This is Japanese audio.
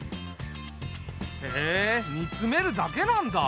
へえ煮詰めるだけなんだ。